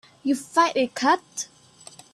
You fight it cut.